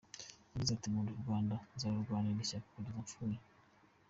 Yagize ati " Nkunda U Rwanda Nzarurwanirira Ishyaka Kugeza Mfuye ".